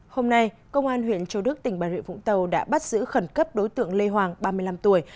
hôm nay công an huyện châu đức tỉnh bà rịa vũng tàu đã bắt giữ khẩn cấp đối tượng lê hoàng ba mươi năm tuổi